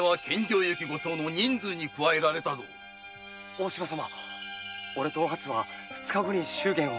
大柴様おれとお初は二日後に祝言を。